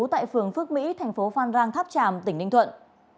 tại phường phước mỹ tp phan rang tháp tràm tỉnh ninh thuận